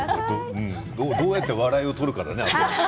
どうやって笑いを取るかだね